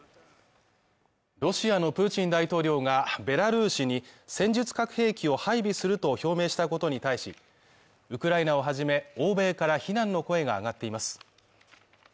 ロシアのプーチン大統領がベラルーシに戦術核兵器を配備すると表明したことに対し、ウクライナをはじめ、欧米から非難の声が上がっています。